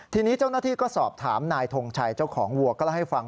ทีนี้เจ้าหน้าที่ก็สอบถามนายทงชัยเจ้าของวัวก็เล่าให้ฟัง